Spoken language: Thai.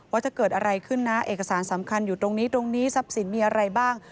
ว่าจะเกิดอะไรขึ้นนะเอกสารสำคัญอยู่ตรงนี้ตรงนี้ทรัพย์สินมีอะไรบ้าง